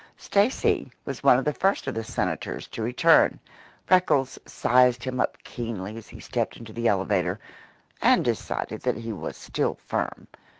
Stacy was one of the first of the senators to return. Freckles sized him up keenly as he stepped into the elevator, and decided that he was still firm.